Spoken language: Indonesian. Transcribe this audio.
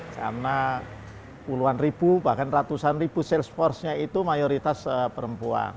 karena puluhan ribu bahkan ratusan ribu sales force nya itu mayoritas perempuan